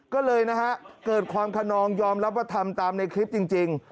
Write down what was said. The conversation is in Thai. ก็เลยเกิดความคณองยอมรับวัตถรรมตามในคลิปจริง